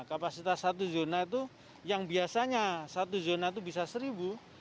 kapasitas satu zona itu yang biasanya satu zona itu bisa seribu